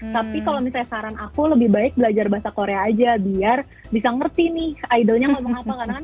tapi kalau misalnya saran aku lebih baik belajar bahasa korea aja biar bisa ngerti nih idolnya ngomong apa kan